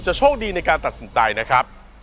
โชคดีในการตัดสินใจนะครับ